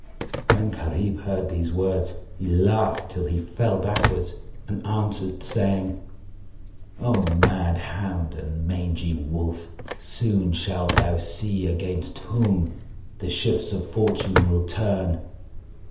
When Gharib heard these words he laughed till he fell backwards and answered, saying, "O mad hound and mangy wolf, soon shalt thou see against whom the shifts of Fortune will turn!"